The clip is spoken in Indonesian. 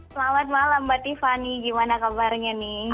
selamat malam mbak tiffany gimana kabarnya nih